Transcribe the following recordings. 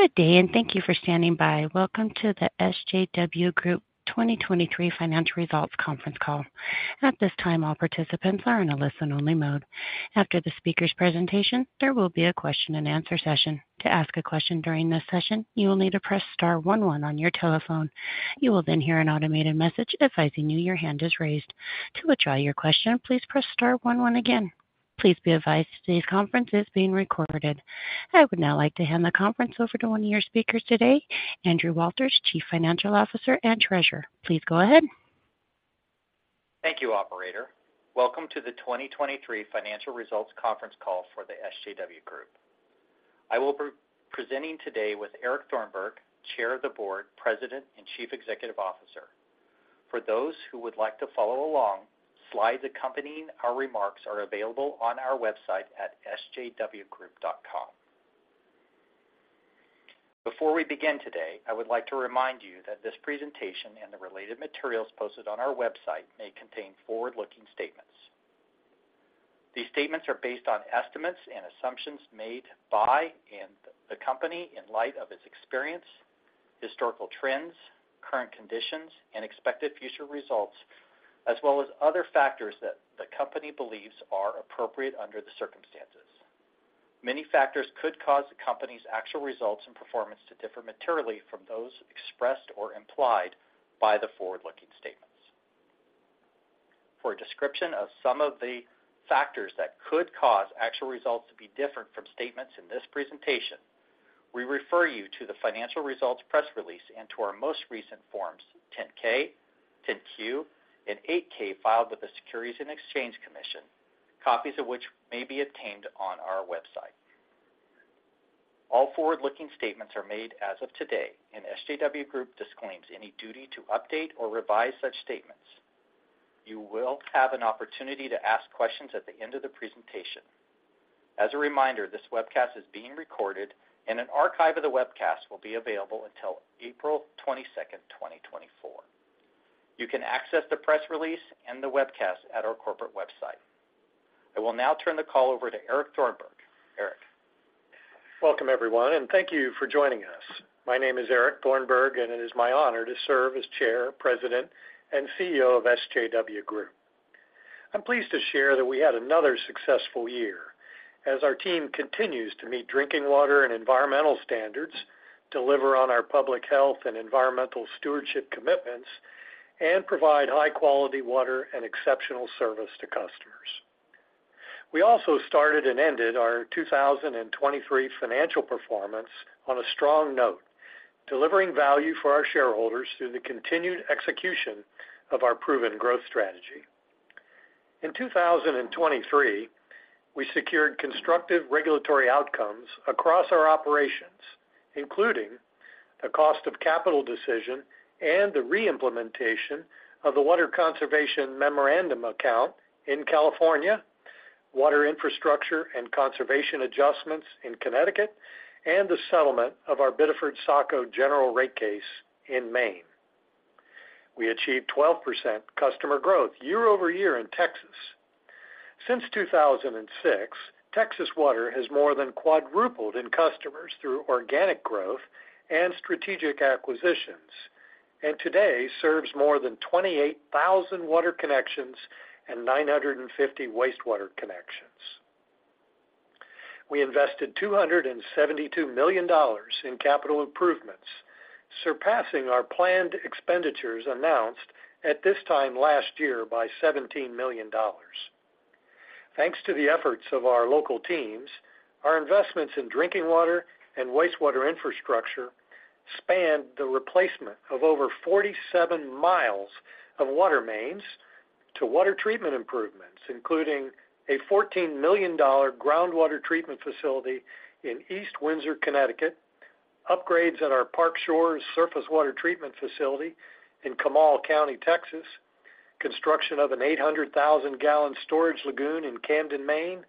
Good day, and thank you for standing by. Welcome to the SJW Group 2023 Financial Results Conference Call. At this time, all participants are in a listen-only mode. After the speaker's presentation, there will be a question-and-answer session. To ask a question during this session, you will need to press star one one on your telephone. You will then hear an automated message advising you your hand is raised. To withdraw your question, please press star one one again. Please be advised this conference is being recorded. I would now like to hand the conference over to one of your speakers today, Andrew Walters, Chief Financial Officer and Treasurer. Please go ahead. Thank you, Operator. Welcome to the 2023 Financial Results Conference Call for the SJW Group. I will be presenting today with Eric Thornburg, Chair of the Board, President, and Chief Executive Officer. For those who would like to follow along, slides accompanying our remarks are available on our website at sjwgroup.com. Before we begin today, I would like to remind you that this presentation and the related materials posted on our website may contain forward-looking statements. These statements are based on estimates and assumptions made by the company in light of its experience, historical trends, current conditions, and expected future results, as well as other factors that the company believes are appropriate under the circumstances. Many factors could cause the company's actual results and performance to differ materially from those expressed or implied by the forward-looking statements. For a description of some of the factors that could cause actual results to be different from statements in this presentation, we refer you to the financial results press release and to our most recent forms, 10-K, 10-Q, and 8-K filed with the Securities and Exchange Commission, copies of which may be obtained on our website. All forward-looking statements are made as of today, and SJW Group disclaims any duty to update or revise such statements. You will have an opportunity to ask questions at the end of the presentation. As a reminder, this webcast is being recorded, and an archive of the webcast will be available until 22 April 2024. You can access the press release and the webcast at our corporate website. I will now turn the call over to Eric Thornburg. Eric. Welcome, everyone, and thank you for joining us. My name is Eric Thornburg, and it is my honor to serve as Chair, President, and CEO of SJW Group. I'm pleased to share that we had another successful year, as our team continues to meet drinking water and environmental standards, deliver on our public health and environmental stewardship commitments, and provide high-quality water and exceptional service to customers. We also started and ended our 2023 financial performance on a strong note, delivering value for our shareholders through the continued execution of our proven growth strategy. In 2023, we secured constructive regulatory outcomes across our operations, including the cost of capital decision and the reimplementation of the Water Conservation Memorandum Account in California, water infrastructure and conservation adjustments in Connecticut, and the settlement of our Biddeford-Saco General Rate Case in Maine. We achieved 12% customer growth year-over-year in Texas. Since 2006, Texas Water has more than quadrupled in customers through organic growth and strategic acquisitions, and today serves more than 28,000 water connections and 950 wastewater connections. We invested $272 million in capital improvements, surpassing our planned expenditures announced at this time last year by $17 million. Thanks to the efforts of our local teams, our investments in drinking water and wastewater infrastructure spanned the replacement of over 47 miles of water mains to water treatment improvements, including a $14 million groundwater treatment facility in East Windsor, Connecticut, upgrades at our Park Shores Surface Water Treatment Facility in Comal County, Texas, construction of an 800,000 bbl storage lagoon in Camden, Maine,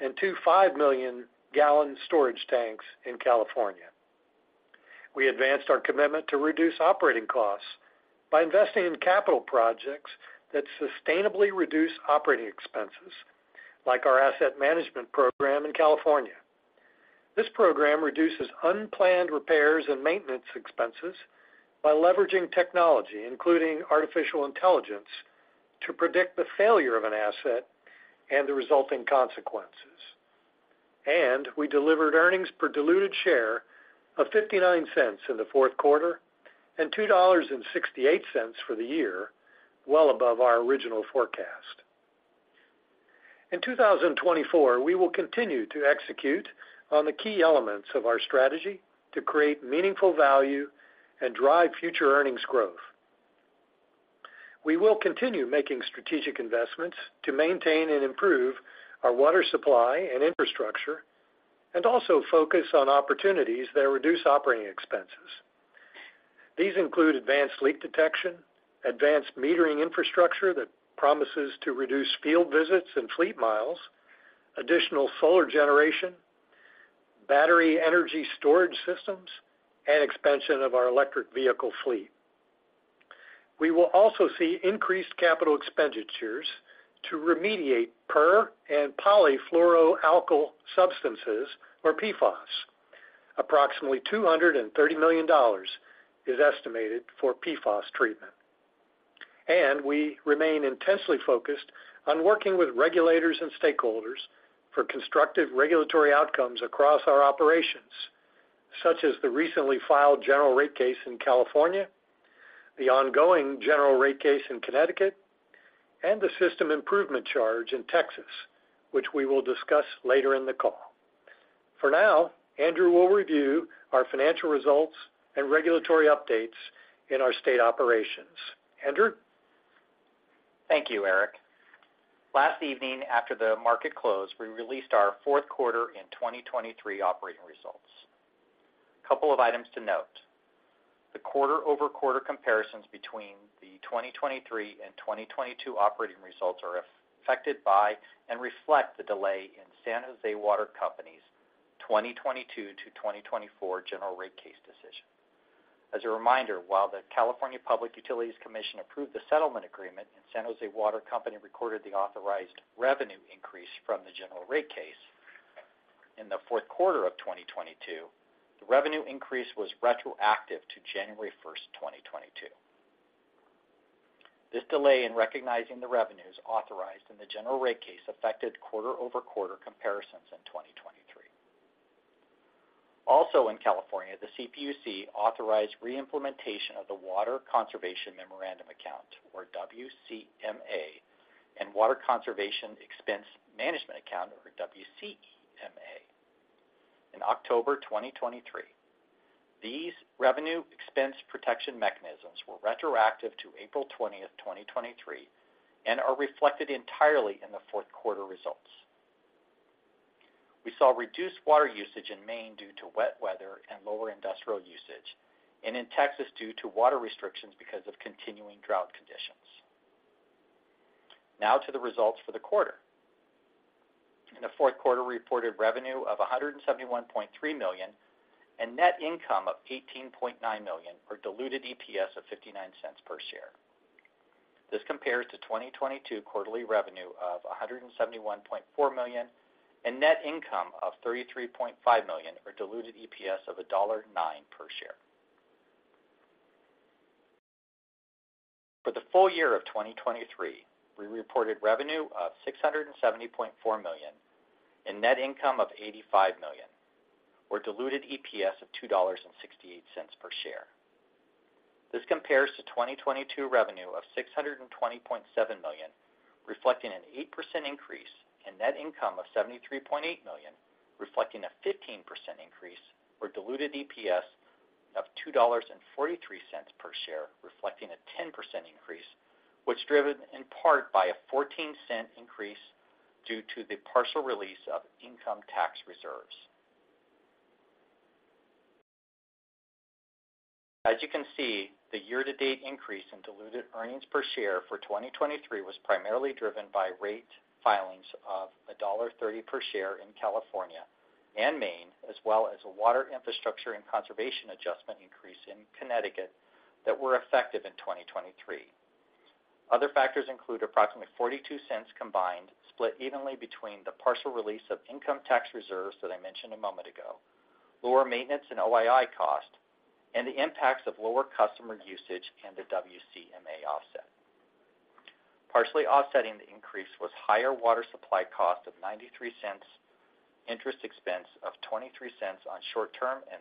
and two 5-million-gallon storage tanks in California. We advanced our commitment to reduce operating costs by investing in capital projects that sustainably reduce operating expenses, like our asset management program in California. This program reduces unplanned repairs and maintenance expenses by leveraging technology, including artificial intelligence, to predict the failure of an asset and the resulting consequences. We delivered earnings per diluted share of $0.59 in the Q4 and $2.68 for the year, well above our original forecast. In 2024, we will continue to execute on the key elements of our strategy to create meaningful value and drive future earnings growth. We will continue making strategic investments to maintain and improve our water supply and infrastructure, and also focus on opportunities that reduce operating expenses. These include advanced leak detection, advanced metering infrastructure that promises to reduce field visits and fleet miles, additional solar generation, battery energy storage systems, and expansion of our electric vehicle fleet. We will also see increased capital expenditures to remediate per- and polyfluoroalkyl substances, or PFAS. Approximately $230 million is estimated for PFAS treatment. We remain intensely focused on working with regulators and stakeholders for constructive regulatory outcomes across our operations, such as the recently filed General Rate Case in California, the ongoing General Rate Case in Connecticut, and the System Improvement Charge in Texas, which we will discuss later in the call. For now, Andrew will review our financial results and regulatory updates in our state operations. Andrew? Thank you, Eric. Last evening, after the market closed, we released our Q4 in 2023 operating results. A couple of items to note: the quarter-over-quarter comparisons between the 2023 and 2022 operating results are affected by and reflect the delay in San Jose Water Company's 2022 to 2024 General Rate Case decision. As a reminder, while the California Public Utilities Commission approved the settlement agreement and San Jose Water Company recorded the authorized revenue increase from the General Rate Case in the Q4 of 2022, the revenue increase was retroactive to 1 January 2022. This delay in recognizing the revenues authorized in the General Rate Case affected quarter-over-quarter comparisons in 2023. Also in California, the CPUC authorized reimplementation of the Water Conservation Memorandum Account, or WCMA, and Water Conservation Expense Management Account, or WCEMA, in October 2023. These revenue expense protection mechanisms were retroactive to 20 April 2023, and are reflected entirely in the Q4 results. We saw reduced water usage in Maine due to wet weather and lower industrial usage, and in Texas due to water restrictions because of continuing drought conditions. Now to the results for the quarter. In the Q4, we reported revenue of $171.3 million and net income of $18.9 million, or diluted EPS of $0.59 per share. This compares to 2022 quarterly revenue of $171.4 million and net income of $33.5 million, or diluted EPS of $1.09 per share. For the full year of 2023, we reported revenue of $670.4 million and net income of $85 million, or diluted EPS of $2.68 per share. This compares to 2022 revenue of $620.7 million, reflecting an 8% increase, and net income of $73.8 million, reflecting a 15% increase, or diluted EPS of $2.43 per share, reflecting a 10% increase, which is driven in part by a $0.14 increase due to the partial release of income tax reserves. As you can see, the year-to-date increase in diluted earnings per share for 2023 was primarily driven by rate filings of $1.30 per share in California and Maine, as well as a water infrastructure and conservation adjustment increase in Connecticut that were effective in 2023. Other factors include approximately $0.42 combined split evenly between the partial release of income tax reserves that I mentioned a moment ago, lower maintenance and OII cost, and the impacts of lower customer usage and the WCMA offset. Partially offsetting the increase was higher water supply cost of $0.93, interest expense of $0.23 on short-term and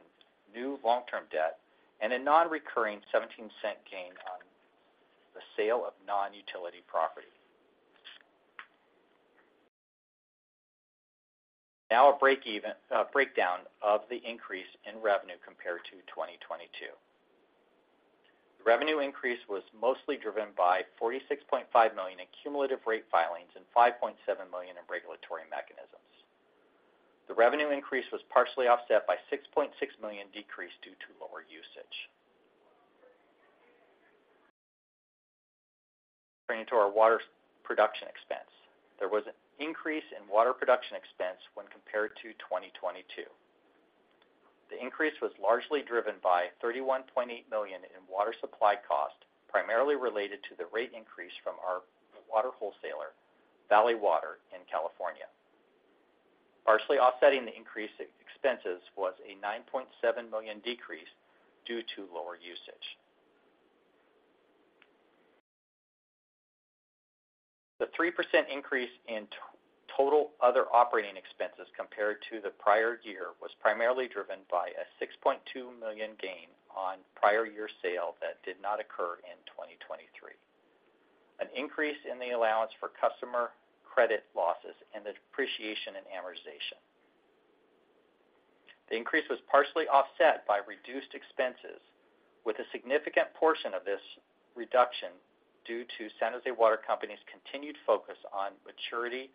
new long-term debt, and a non-recurring $0.17 gain on the sale of non-utility property. Now a breakdown of the increase in revenue compared to 2022. The revenue increase was mostly driven by $46.5 million in cumulative rate filings and $5.7 million in regulatory mechanisms. The revenue increase was partially offset by a $6.6 million decrease due to lower usage. Transferring into our water production expense, there was an increase in water production expense when compared to 2022. The increase was largely driven by $31.8 million in water supply cost, primarily related to the rate increase from our water wholesaler, Valley Water, in California. Partially offsetting the increase in expenses was a $9.7 million decrease due to lower usage. The 3% increase in total other operating expenses compared to the prior year was primarily driven by a $6.2 million gain on prior year sale that did not occur in 2023, an increase in the allowance for customer credit losses, and depreciation and amortization. The increase was partially offset by reduced expenses, with a significant portion of this reduction due to San Jose Water Company's continued focus on maturity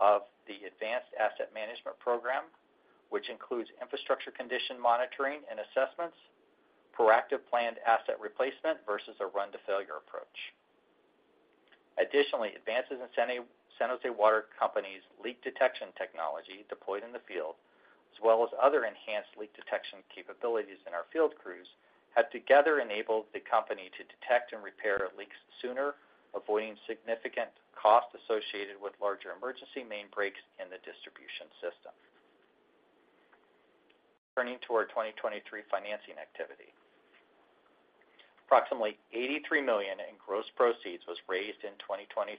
of the advanced asset management program, which includes infrastructure condition monitoring and assessments, proactive planned asset replacement versus a run-to-failure approach. Additionally, advances in San Jose Water Company's leak detection technology deployed in the field, as well as other enhanced leak detection capabilities in our field crews, have together enabled the company to detect and repair leaks sooner, avoiding significant costs associated with larger emergency main breaks in the distribution system. Turning to our 2023 financing activity, approximately $83 million in gross proceeds was raised in 2023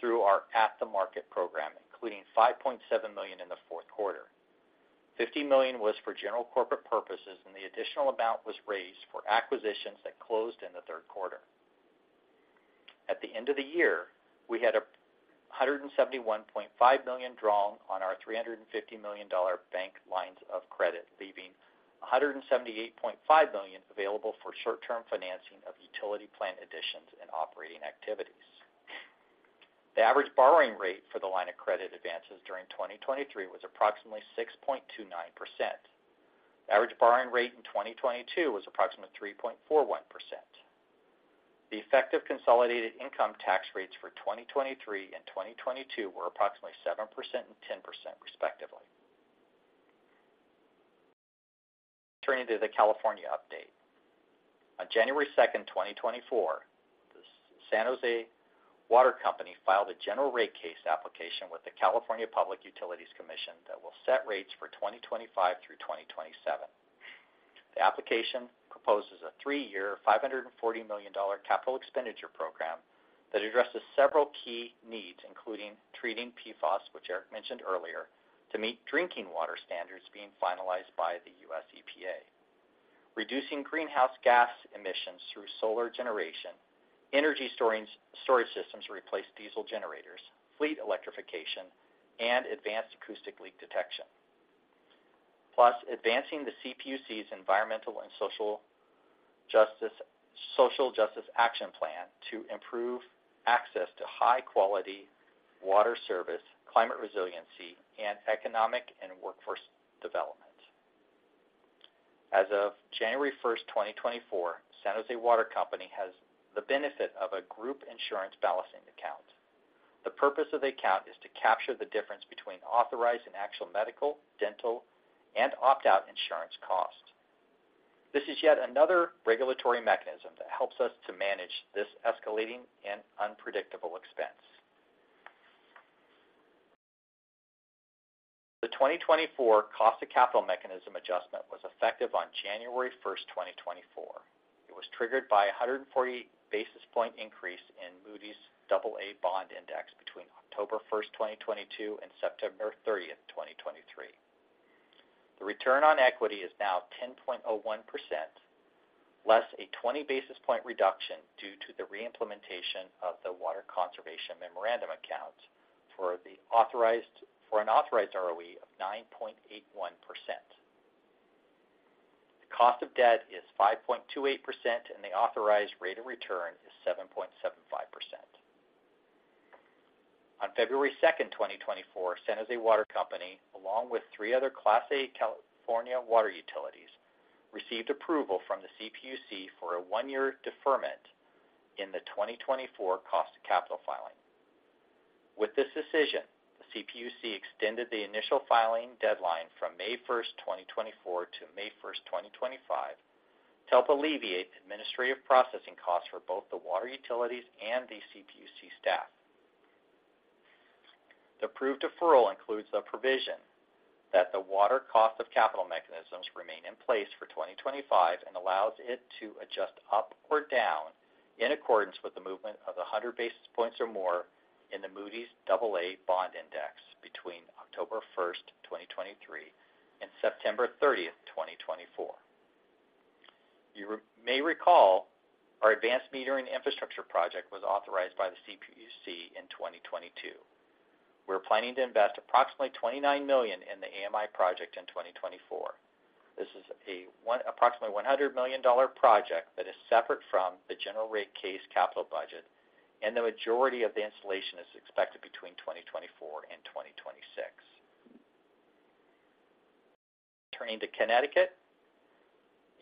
through our at-the-market program, including $5.7 million in the Q4. $50 million was for general corporate purposes, and the additional amount was raised for acquisitions that closed in the Q3. At the end of the year, we had $171.5 million drawn on our $350 million bank lines of credit, leaving $178.5 million available for short-term financing of utility plan additions and operating activities. The average borrowing rate for the line of credit advances during 2023 was approximately 6.29%. The average borrowing rate in 2022 was approximately 3.41%. The effective consolidated income tax rates for 2023 and 2022 were approximately 7% and 10%, respectively. Turning to the California update, on 2 January 2024, the San Jose Water Company filed a General Rate Case application with the California Public Utilities Commission that will set rates for 2025 through 2027. The application proposes a three-year, $540 million capital expenditure program that addresses several key needs, including treating PFAS, which Eric mentioned earlier, to meet drinking water standards being finalized by the US EPA, reducing greenhouse gas emissions through solar generation, energy storage systems to replace diesel generators, fleet electrification, and advanced acoustic leak detection, plus advancing the CPUC's Environmental and Social Justice Action Plan to improve access to high-quality water service, climate resiliency, and economic and workforce development. As of 1 January 2024, San Jose Water Company has the benefit of a group insurance balancing account. The purpose of the account is to capture the difference between authorized and actual medical, dental, and opt-out insurance costs. This is yet another regulatory mechanism that helps us to manage this escalating and unpredictable expense. The 2024 cost-to-capital mechanism adjustment was effective on 1 January```2024. It was triggered by a 140 basis point increase in Moody's AA Bond Index between 1 October 2022, and 30 September 2023. The return on equity is now 10.01%, less a 20 basis point reduction due to the reimplementation of the Water Conservation Memorandum Account for an authorized ROE of 9.81%. The cost of debt is 5.28%, and the authorized rate of return is 7.75%. On 2 February 2024, San Jose Water Company, along with three other Class A California water utilities, received approval from the CPUC for a one-year deferment in the 2024 cost-to-capital filing. With this decision, the CPUC extended the initial filing deadline from 1 May 2024, to 1 May 2025, to help alleviate administrative processing costs for both the water utilities and the CPUC staff. The approved deferral includes the provision that the water cost-of-capital mechanisms remain in place for 2025 and allows it to adjust up or down in accordance with the movement of 100 basis points or more in the Moody's AA Bond Index between 1 October 2023, and 30 September 2024. You may recall our advanced metering infrastructure project was authorized by the CPUC in 2022. We're planning to invest approximately $29 million in the AMI project in 2024. This is an approximately $100 million project that is separate from the General Rate Case capital budget, and the majority of the installation is expected between 2024 and 2026. Turning to Connecticut,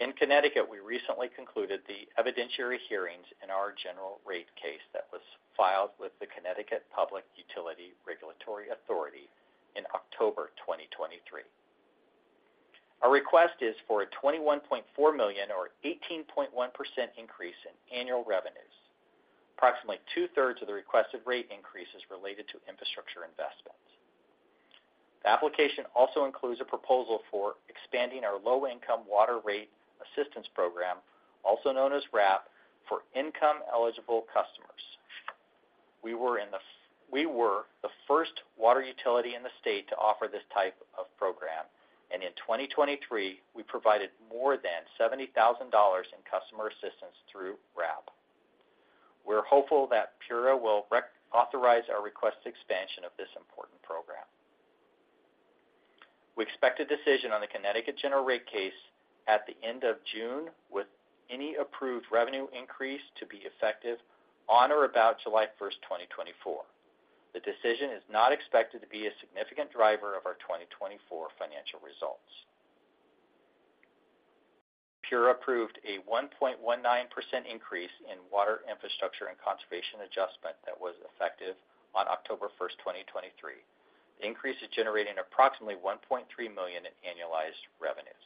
in Connecticut, we recently concluded the evidentiary hearings in our General Rate Case that was filed with the Connecticut Public Utility Regulatory Authority in October 2023. Our request is for a $21.4 million, or 18.1%, increase in annual revenues. Approximately two-thirds of the requested rate increase is related to infrastructure investments. The application also includes a proposal for expanding our low-income water rate assistance program, also known as RAP, for income-eligible customers. We were the first water utility in the state to offer this type of program, and in 2023, we provided more than $70,000 in customer assistance through RAP. We're hopeful that PURA will authorize our requested expansion of this important program. We expect a decision on the Connecticut General Rate Case at the end of June with any approved revenue increase to be effective on or about 1 July 2024. The decision is not expected to be a significant driver of our 2024 financial results. PURA approved a 1.19% increase in water infrastructure and conservation adjustment that was effective on October 1st, 2023. The increase is generating approximately $1.3 million in annualized revenues.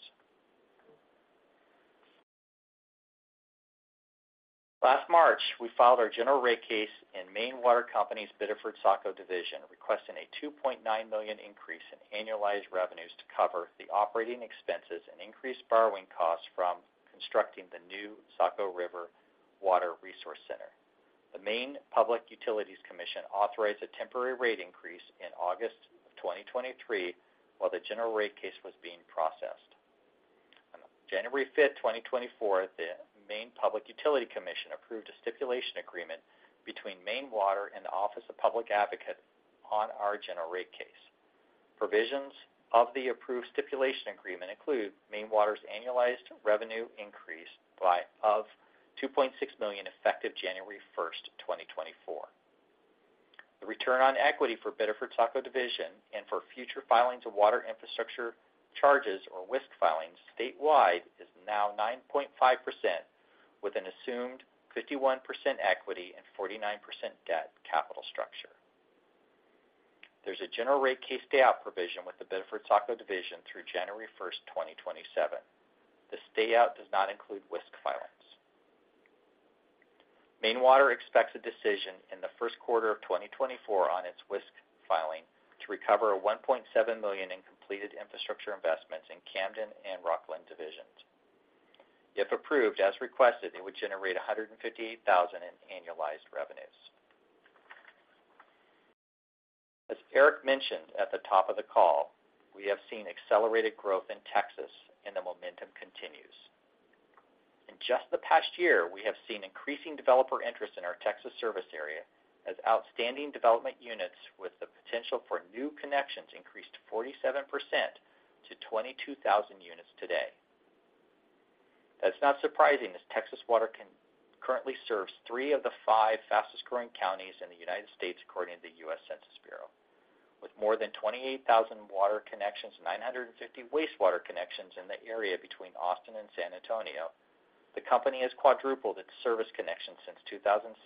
Last March, we filed our General Rate Case in Maine Water Company's Biddeford-Saco Division, requesting a $2.9 million increase in annualized revenues to cover the operating expenses and increased borrowing costs from constructing the new Saco River Water Resource Center. The Maine Public Utilities Commission authorized a temporary rate increase in August of 2023 while the General Rate Case was being processed. On 5 January 2024, the Maine Public Utilities Commission approved a stipulation agreement between Maine Water and the Office of Public Advocate on our General Rate Case. Provisions of the approved stipulation agreement include Maine Water's annualized revenue increase of $2.6 million effective 1 January 2024. The return on equity for Biddeford-Saco Division and for future filings of water infrastructure charges, or WISC filings, statewide is now 9.5%, with an assumed 51% equity and 49% debt capital structure. There's a General Rate Case stay-out provision with the Biddeford-Saco Division through 1 January 2027. The stay-out does not include WISC filings. Maine Water expects a decision in the Q1 of 2024 on its WISC filing to recover $1.7 million in completed infrastructure investments in Camden and Rockland divisions. If approved as requested, it would generate $158,000 in annualized revenues. As Eric mentioned at the top of the call, we have seen accelerated growth in Texas, and the momentum continues. In just the past year, we have seen increasing developer interest in our Texas service area, as outstanding development units with the potential for new connections increased 47% to 22,000 units today. That's not surprising as Texas Water currently serves three of the five fastest-growing counties in the United States, according to the US Census Bureau. With more than 28,000 water connections and 950 wastewater connections in the area between Austin and San Antonio, the company has quadrupled its service connections since 2006,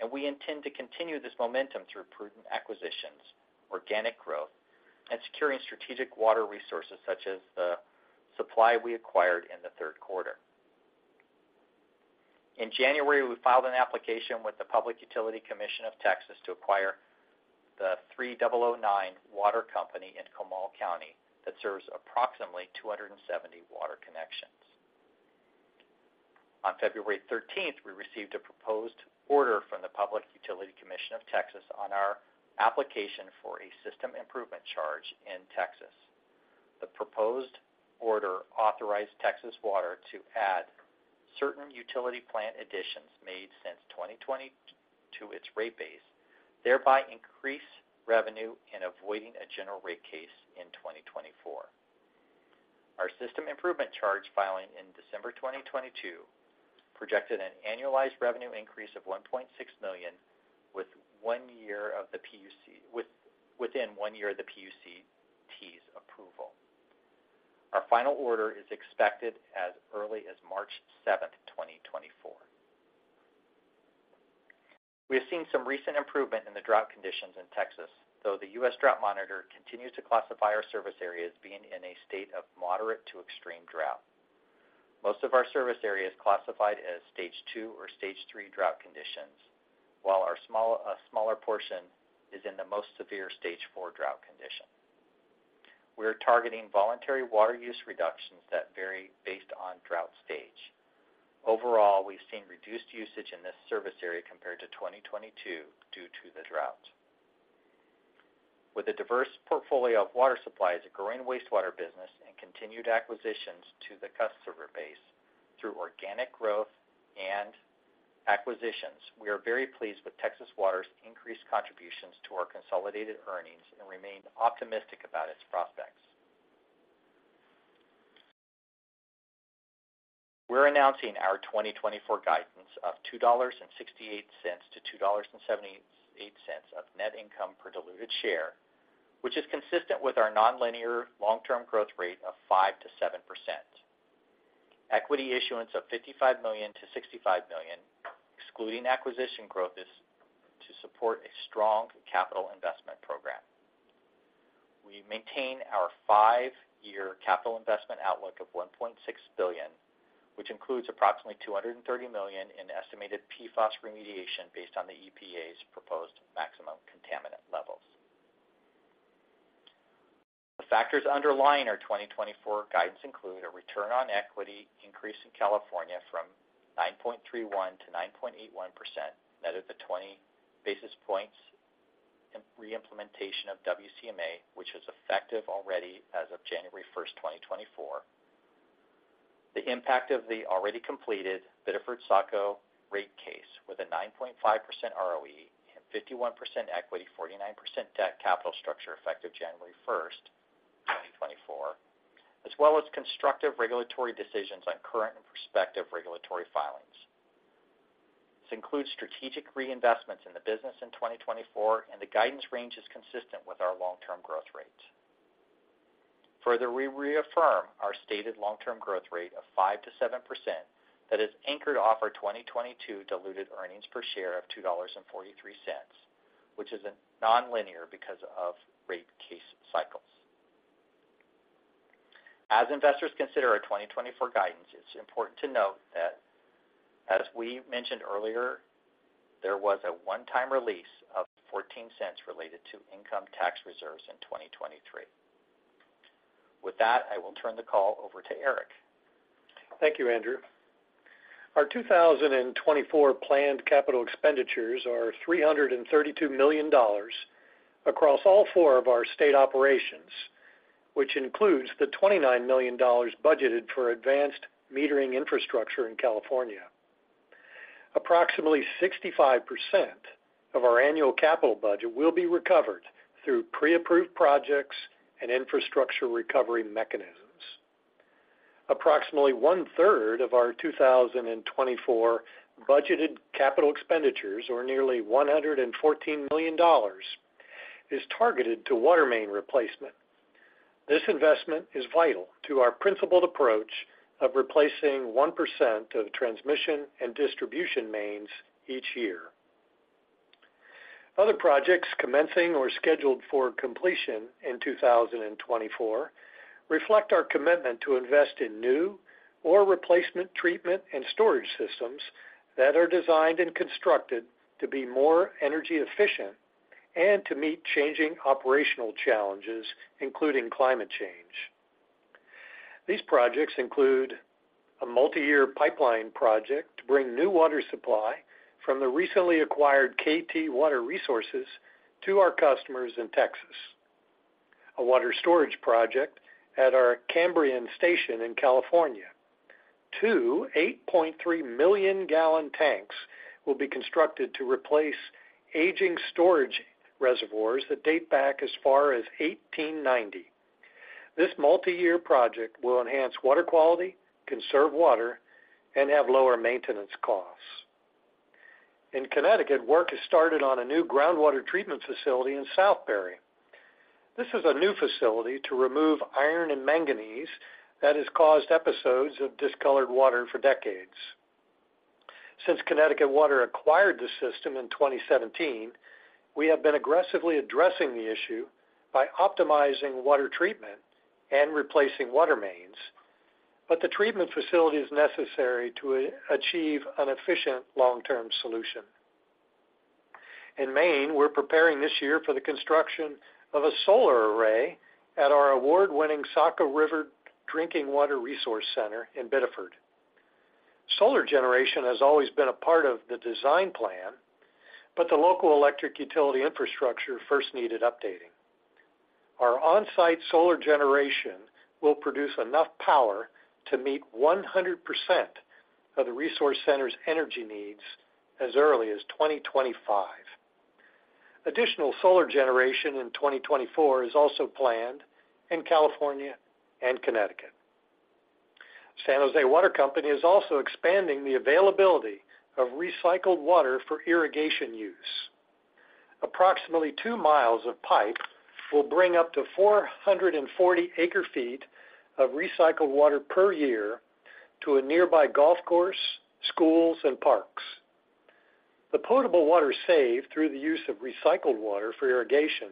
and we intend to continue this momentum through prudent acquisitions, organic growth, and securing strategic water resources such as the supply we acquired in the Q3. In January, we filed an application with the Public Utility Commission of Texas to acquire the 3009 Water Company in Comal County that serves approximately 270 water connections. On 13 February we received a proposed order from the Public Utility Commission of Texas on our application for a system improvement charge in Texas. The proposed order authorized Texas Water to add certain utility plant additions made since 2020 to its rate base, thereby increasing revenue and avoiding a General Rate Case in 2024. Our system improvement charge filing in December 2022 projected an annualized revenue increase of $1.6 million within one year of the PUCT's approval. Our final order is expected as early as 7 March 2024. We have seen some recent improvement in the drought conditions in Texas, though the US Drought Monitor continues to classify our service areas being in a state of moderate to extreme drought. Most of our service areas are classified as Stage II or Stage III drought conditions, while a smaller portion is in the most severe Stage IV drought condition. We are targeting voluntary water use reductions that vary based on drought stage. Overall, we've seen reduced usage in this service area compared to 2022 due to the drought. With a diverse portfolio of water supplies, a growing wastewater business, and continued acquisitions to the customer base through organic growth and acquisitions, we are very pleased with Texas Water's increased contributions to our consolidated earnings and remain optimistic about its prospects. We're announcing our 2024 guidance of $2.68-$2.78 of net income per diluted share, which is consistent with our nonlinear long-term growth rate of 5%-7%. Equity issuance of $55 million-$65 million, excluding acquisition growth, is to support a strong capital investment program. We maintain our five-year capital investment outlook of $1.6 billion, which includes approximately $230 million in estimated PFAS remediation based on the EPA's proposed maximum contaminant levels. The factors underlying our 2024 guidance include a return on equity increase in California from 9.31%-9.81%, net of the 20 basis points reimplementation of WCMA, which was effective already as of January 1st, 2024, the impact of the already completed Biddeford-Saco Rate Case with a 9.5% ROE and 51% equity, 49% debt capital structure effective January 1st, 2024, as well as constructive regulatory decisions on current and prospective regulatory filings. This includes strategic reinvestments in the business in 2024, and the guidance range is consistent with our long-term growth rate. Further, we reaffirm our stated long-term growth rate of 5%-7% that is anchored off our 2022 diluted earnings per share of $2.43, which is nonlinear because of rate case cycles. As investors consider our 2024 guidance, it's important to note that, as we mentioned earlier, there was a one-time release of $0.14 related to income tax reserves in 2023. With that, I will turn the call over to Eric. Thank you, Andrew. Our 2024 planned capital expenditures are $332 million across all four of our state operations, which includes the $29 million budgeted for advanced metering infrastructure in California. Approximately 65% of our annual capital budget will be recovered through pre-approved projects and infrastructure recovery mechanisms. Approximately one-third of our 2024 budgeted capital expenditures, or nearly $114 million, is targeted to water main replacement. This investment is vital to our principled approach of replacing 1% of transmission and distribution mains each year. Other projects commencing or scheduled for completion in 2024 reflect our commitment to invest in new or replacement treatment and storage systems that are designed and constructed to be more energy efficient and to meet changing operational challenges, including climate change. These projects include a multi-year pipeline project to bring new water supply from the recently acquired KT Water Resources to our customers in Texas, a water storage project at our Cambrian Station in California, two 8.3-million-gallon tanks will be constructed to replace aging storage reservoirs that date back as far as 1890. This multi-year project will enhance water quality, conserve water, and have lower maintenance costs. In Connecticut, work has started on a new groundwater treatment facility in Southbury. This is a new facility to remove iron and manganese that has caused episodes of discolored water for decades. Since Connecticut Water acquired the system in 2017, we have been aggressively addressing the issue by optimizing water treatment and replacing water mains, but the treatment facility is necessary to achieve an efficient long-term solution. In Maine, we're preparing this year for the construction of a solar array at our award-winning Saco River Drinking Water Resource Center in Biddeford. Solar generation has always been a part of the design plan, but the local electric utility infrastructure first needed updating. Our on-site solar generation will produce enough power to meet 100% of the resource center's energy needs as early as 2025. Additional solar generation in 2024 is also planned in California and Connecticut. San Jose Water Company is also expanding the availability of recycled water for irrigation use. Approximately 2 mi of pipe will bring up to 440 acre-feet of recycled water per year to a nearby golf course, schools, and parks. The potable water saved through the use of recycled water for irrigation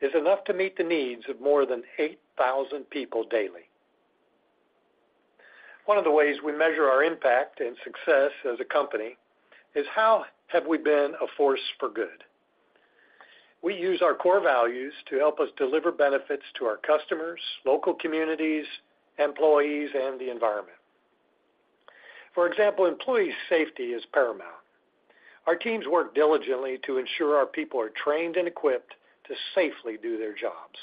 is enough to meet the needs of more than 8,000 people daily. One of the ways we measure our impact and success as a company is how have we been a force for good. We use our core values to help us deliver benefits to our customers, local communities, employees, and the environment. For example, employee safety is paramount. Our teams work diligently to ensure our people are trained and equipped to safely do their jobs.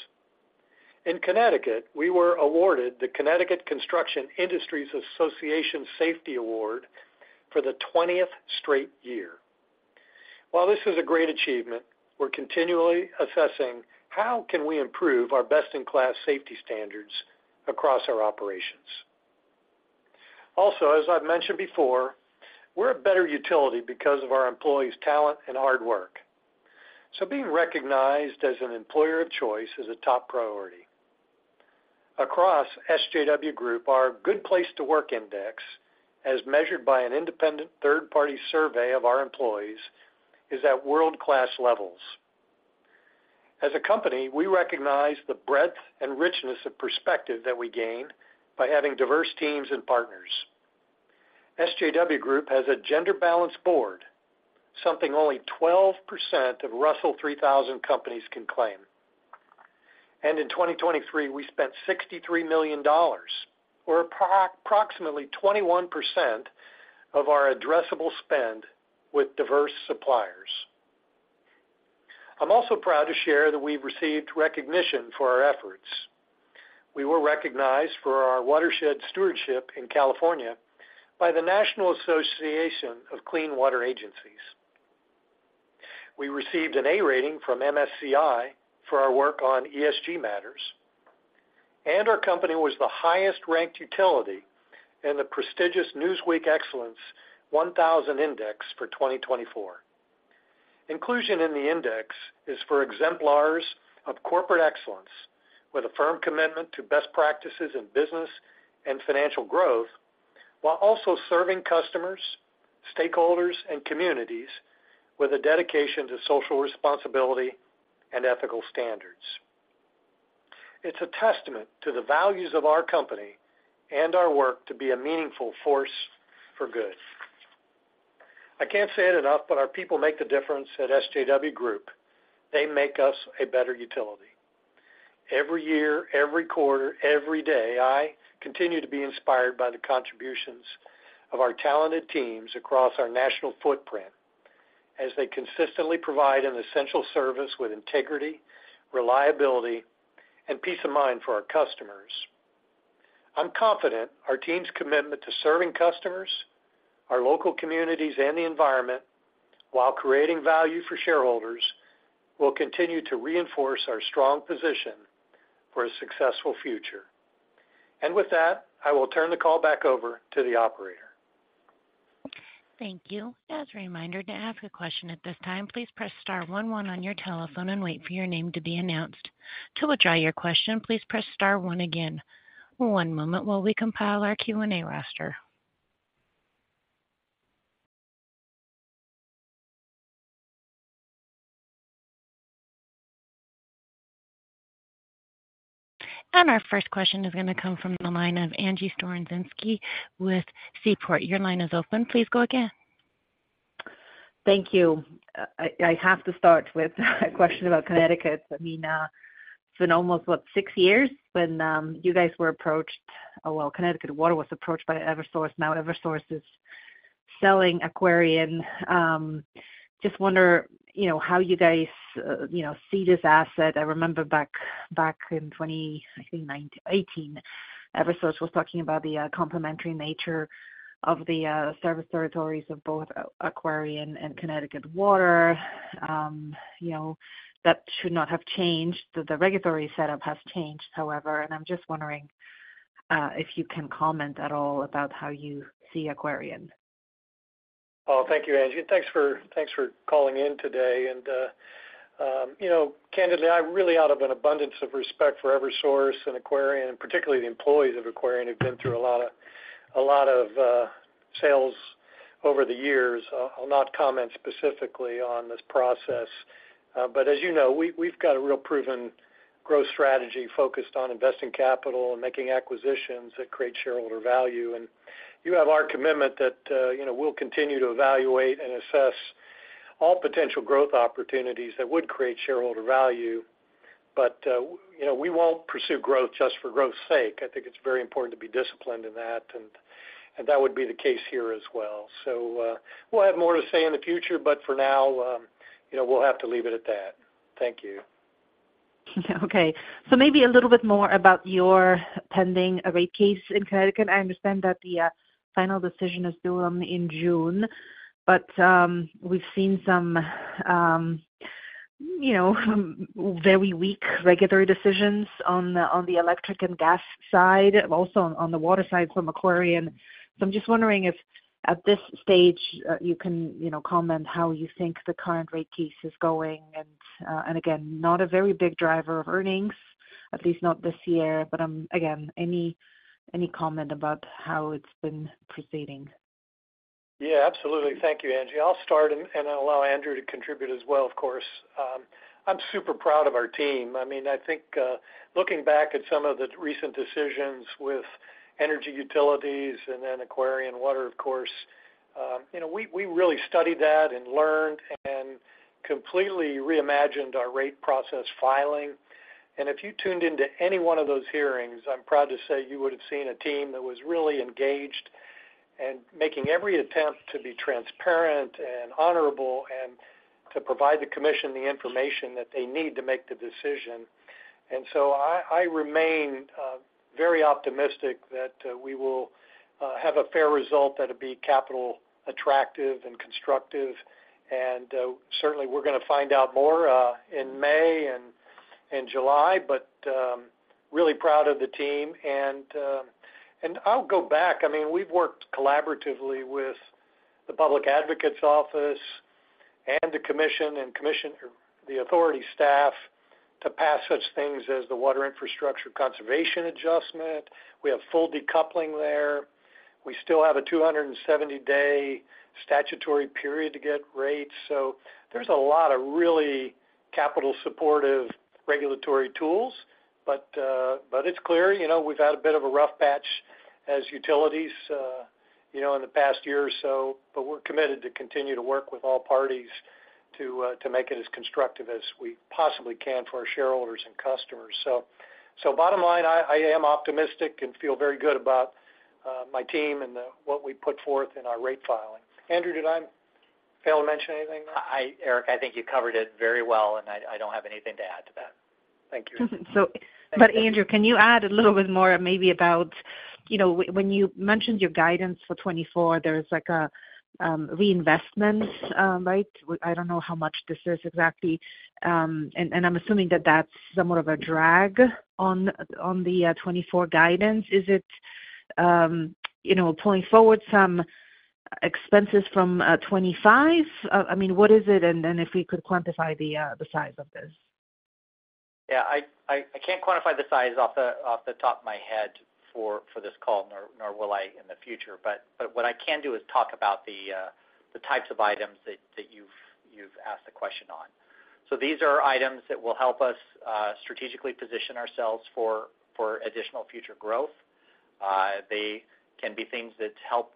In Connecticut, we were awarded the Connecticut Construction Industries Association Safety Award for the 20th straight year. While this is a great achievement, we're continually assessing how can we improve our best-in-class safety standards across our operations. Also, as I've mentioned before, we're a better utility because of our employees' talent and hard work, so being recognized as an employer of choice is a top priority. Across SJW Group, our Good Place to Work Index, as measured by an independent third-party survey of our employees, is at world-class levels. As a company, we recognize the breadth and richness of perspective that we gain by having diverse teams and partners. SJW Group has a gender-balanced board, something only 12% of Russell 3000 companies can claim. And in 2023, we spent $63 million, or approximately 21% of our addressable spend, with diverse suppliers. I'm also proud to share that we've received recognition for our efforts. We were recognized for our watershed stewardship in California by the National Association of Clean Water Agencies. We received an A rating from MSCI for our work on ESG matters, and our company was the highest-ranked utility in the prestigious Newsweek Excellence 1000 Index for 2024. Inclusion in the index is for exemplars of corporate excellence with a firm commitment to best practices in business and financial growth, while also serving customers, stakeholders, and communities with a dedication to social responsibility and ethical standards. It's a testament to the values of our company and our work to be a meaningful force for good. I can't say it enough, but our people make the difference at SJW Group. They make us a better utility. Every year, every quarter, every day, I continue to be inspired by the contributions of our talented teams across our national footprint as they consistently provide an essential service with integrity, reliability, and peace of mind for our customers. I'm confident our team's commitment to serving customers, our local communities, and the environment, while creating value for shareholders, will continue to reinforce our strong position for a successful future. With that, I will turn the call back over to the operator. Thank you. As a reminder, to ask a question at this time, please press star one one on your telephone and wait for your name to be announced. To withdraw your question, please press star one again. One moment while we compile our Q&A roster. Our first question is going to come from the line of Angie Storozynski with Seaport. Your line is open. Please go again. Thank you. I have to start with a question about Connecticut. I mean, it's been almost, what, six years when you guys were approached, well, Connecticut Water was approached by Eversource. Now, Eversource is selling Aquarion. I just wonder how you guys see this asset. I remember back in, I think, 2018, Eversource was talking about the complementary nature of the service territories of both Aquarion and Connecticut Water. That should not have changed. The regulatory setup has changed, however. And I'm just wondering if you can comment at all about how you see Aquarion. Oh, thank you, Angie. And thanks for calling in today. And candidly, I really, out of an abundance of respect for Eversource and Aquarion, and particularly the employees of Aquarion, have been through a lot of sales over the years. I'll not comment specifically on this process. But as you know, we've got a real proven growth strategy focused on investing capital and making acquisitions that create shareholder value. And you have our commitment that we'll continue to evaluate and assess all potential growth opportunities that would create shareholder value. But we won't pursue growth just for growth's sake. I think it's very important to be disciplined in that, and that would be the case here as well. So we'll have more to say in the future, but for now, we'll have to leave it at that. Thank you. Okay. So maybe a little bit more about your pending rate case in Connecticut. I understand that the final decision is due in June, but we've seen some very weak regulatory decisions on the electric and gas side, also on the water side from Aquarion. So I'm just wondering if, at this stage, you can comment how you think the current rate case is going. And again, not a very big driver of earnings, at least not this year. But again, any comment about how it's been proceeding? Yeah, absolutely. Thank you, Angie. I'll start and allow Andrew to contribute as well, of course. I'm super proud of our team. I mean, I think looking back at some of the recent decisions with Energy Utilities and then Aquarion Water, of course, we really studied that and learned and completely reimagined our rate process filing. And if you tuned into any one of those hearings, I'm proud to say you would have seen a team that was really engaged and making every attempt to be transparent and honorable and to provide the commission the information that they need to make the decision. And so I remain very optimistic that we will have a fair result that'll be capital attractive and constructive. And certainly, we're going to find out more in May and July, but really proud of the team. And I'll go back. I mean, we've worked collaboratively with the Public Advocates Office and the commission and the authority staff to pass such things as the Water Infrastructure and Conservation Adjustment. We have full decoupling there. We still have a 270-day statutory period to get rates. So there's a lot of really capital-supportive regulatory tools. But it's clear we've had a bit of a rough patch as utilities in the past year or so, but we're committed to continue to work with all parties to make it as constructive as we possibly can for our shareholders and customers. So bottom line, I am optimistic and feel very good about my team and what we put forth in our rate filing. Andrew, did I fail to mention anything? Eric, I think you covered it very well, and I don't have anything to add to that. Thank you. But Andrew, can you add a little bit more maybe about when you mentioned your guidance for 2024, there's a reinvestment, right? I don't know how much this is exactly. And I'm assuming that that's somewhat of a drag on the 2024 guidance. Is it pulling forward some expenses from 2025? I mean, what is it? And then if we could quantify the size of this. Yeah. I can't quantify the size off the top of my head for this call, nor will I in the future. But what I can do is talk about the types of items that you've asked the question on. So these are items that will help us strategically position ourselves for additional future growth. They can be things that help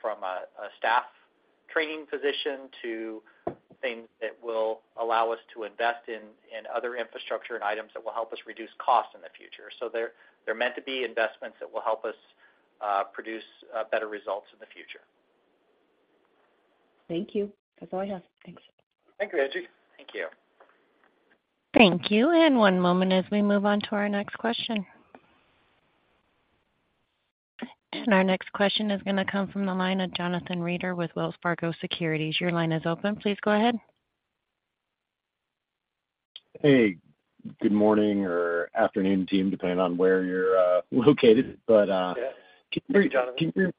from a staff training position to things that will allow us to invest in other infrastructure and items that will help us reduce costs in the future. So they're meant to be investments that will help us produce better results in the future. Thank you. That's all I have. Thanks. Thank you, Angie. Thank you. Thank you. And one moment as we move on to our next question. And our next question is going to come from the line of Jonathan Reeder with Wells Fargo Securities. Your line is open. Please go ahead. Hey. Good morning or afternoon, team, depending on where you're located. But can you remind us.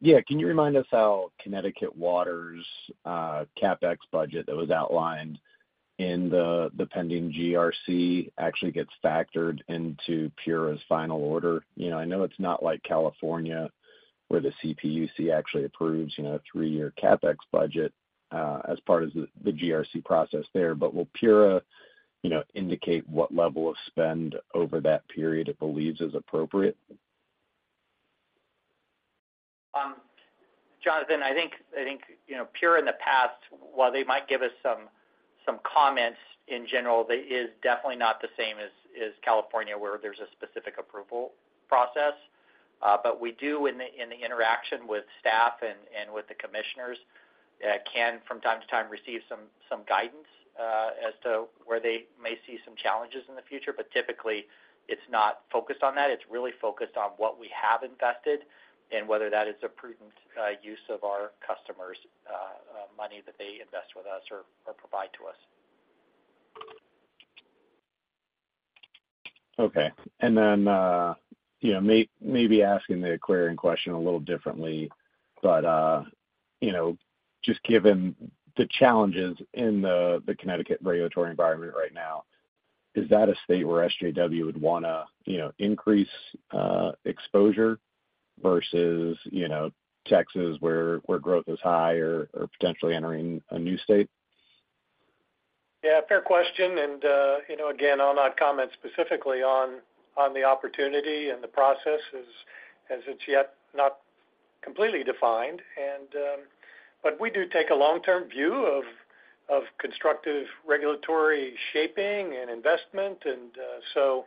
Yeah. Can you remind us how Connecticut Water's CapEx budget that was outlined in the pending GRC actually gets factored into PURA's final order? I know it's not like California where the CPUC actually approves a three-year CapEx budget as part of the GRC process there, but will PURA indicate what level of spend over that period it believes is appropriate? Jonathan, I think PURA, in the past, while they might give us some comments in general, it is definitely not the same as California where there's a specific approval process. But we do, in the interaction with staff and with the commissioners, can, from time to time, receive some guidance as to where they may see some challenges in the future. But typically, it's not focused on that. It's really focused on what we have invested and whether that is a prudent use of our customers' money that they invest with us or provide to us. Okay. And then maybe asking the Aquarion question a little differently. But just given the challenges in the Connecticut regulatory environment right now, is that a state where SJW would want to increase exposure versus Texas where growth is high or potentially entering a new state? Yeah, fair question. Again, I'll not comment specifically on the opportunity and the process as it's yet not completely defined. But we do take a long-term view of constructive regulatory shaping and investment. So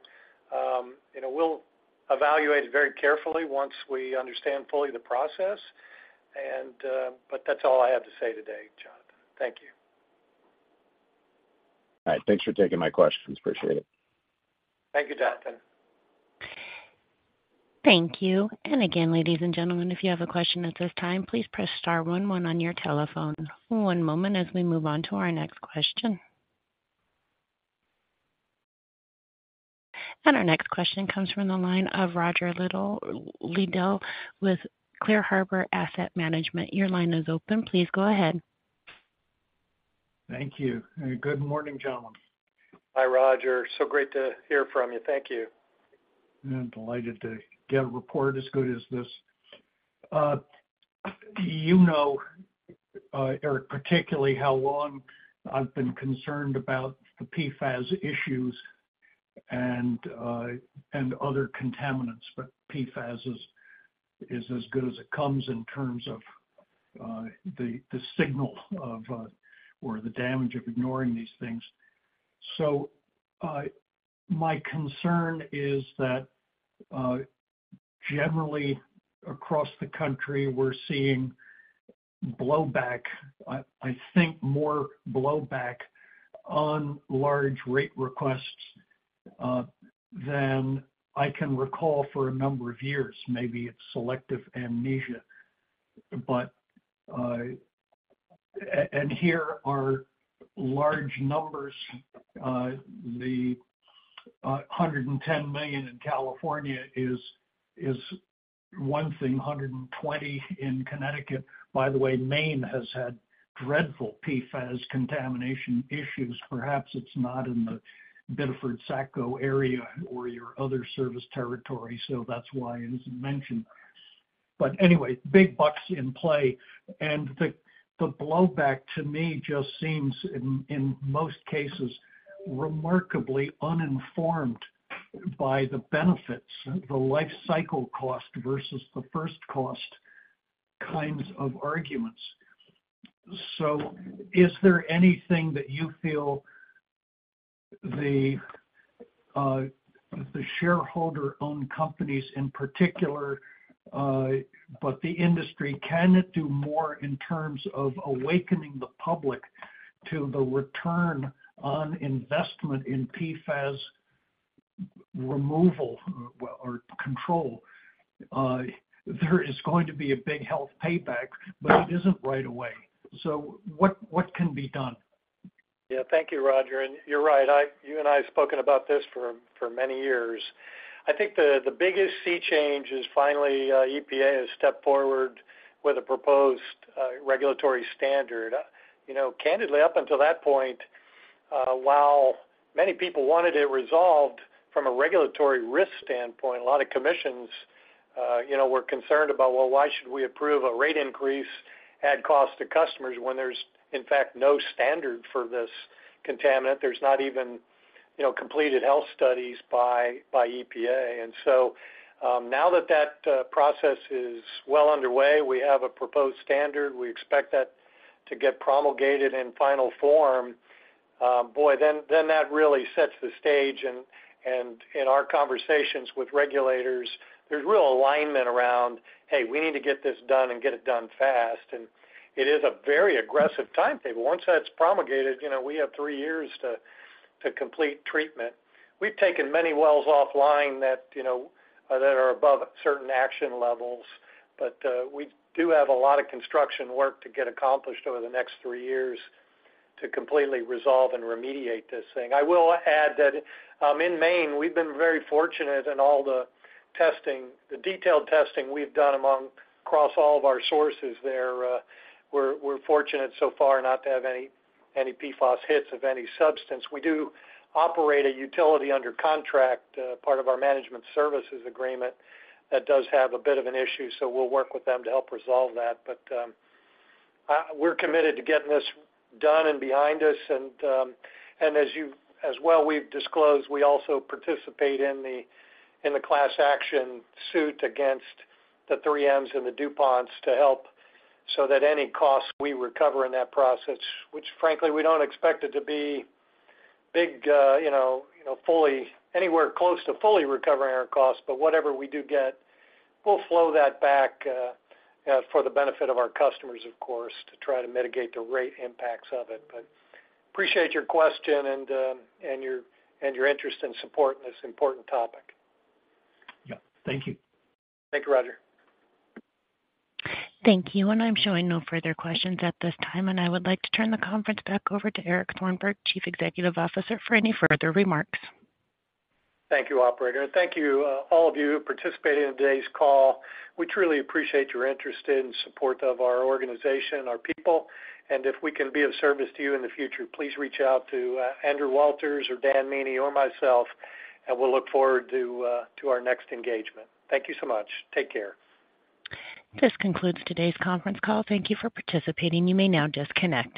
we'll evaluate it very carefully once we understand fully the process. But that's all I have to say today, Jonathan. Thank you. All right. Thanks for taking my questions. Appreciate it. Thank you, Jonathan. Thank you. Again, ladies and gentlemen, if you have a question at this time, please press star one one on your telephone. One moment as we move on to our next question. Our next question comes from the line of Roger Liddell with Clear Harbor Asset Management. Your line is open. Please go ahead. Thank you. Good morning, gentlemen. Hi, Roger. So great to hear from you. Thank you. Delighted to get a report as good as this. You know, Eric, particularly how long I've been concerned about the PFAS issues and other contaminants. But PFAS is as good as it comes in terms of the signal or the damage of ignoring these things. So my concern is that, generally, across the country, we're seeing blowback, I think more blowback, on large rate requests than I can recall for a number of years. Maybe it's selective amnesia. And here are large numbers. The $110 million in California is one thing, $120 million in Connecticut. By the way, Maine has had dreadful PFAS contamination issues. Perhaps it's not in the Biddeford-Saco area or your other service territory, so that's why it isn't mentioned. But anyway, big bucks in play. The blowback, to me, just seems, in most cases, remarkably uninformed by the benefits, the life cycle cost versus the first cost kinds of arguments. So is there anything that you feel the shareholder-owned companies, in particular, but the industry, can it do more in terms of awakening the public to the return on investment in PFAS removal or control? There is going to be a big health payback, but it isn't right away. So what can be done? Yeah. Thank you, Roger. And you're right. You and I have spoken about this for many years. I think the biggest sea change is finally EPA has stepped forward with a proposed regulatory standard. Candidly, up until that point, while many people wanted it resolved from a regulatory risk standpoint, a lot of commissions were concerned about, Well, why should we approve a rate increase at cost to customers when there's, in fact, no standard for this contaminant? There's not even completed health studies by EPA. And so now that that process is well underway, we have a proposed standard. We expect that to get promulgated in final form. Boy, then that really sets the stage. And in our conversations with regulators, there's real alignment around, Hey, we need to get this done and get it done fast. And it is a very aggressive timetable. Once that's promulgated, we have three years to complete treatment. We've taken many wells offline that are above certain action levels. But we do have a lot of construction work to get accomplished over the next three years to completely resolve and remediate this thing. I will add that, in Maine, we've been very fortunate in all the detailed testing we've done across all of our sources there. We're fortunate so far not to have any PFAS hits of any substance. We do operate a utility under contract, part of our management services agreement that does have a bit of an issue. So we'll work with them to help resolve that. But we're committed to getting this done and behind us. And as well, we've disclosed, we also participate in the class action suit against the 3M's and the DuPont's to help so that any costs we recover in that process, which, frankly, we don't expect it to be fully anywhere close to fully recovering our costs, but whatever we do get, we'll flow that back for the benefit of our customers, of course, to try to mitigate the rate impacts of it. But appreciate your question and your interest and support in this important topic. Yep. Thank you. Thank you, Roger. Thank you. I'm showing no further questions at this time. I would like to turn the conference back over to Eric Thornburg, Chief Executive Officer, for any further remarks. Thank you, operator. Thank you, all of you, who participated in today's call. We truly appreciate your interest and support of our organization, our people. If we can be of service to you in the future, please reach out to Andrew Walters or Dan Meaney or myself. We'll look forward to our next engagement. Thank you so much. Take care. This concludes today's conference call. Thank you for participating. You may now disconnect.